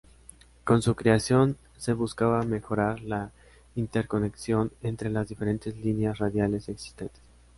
Con su creación se buscaba mejorar la interconexión entre las diferentes líneas radiales existentes.